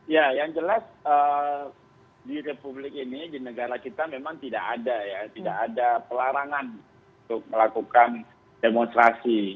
ya yang jelas di republik ini di negara kita memang tidak ada ya tidak ada pelarangan untuk melakukan demonstrasi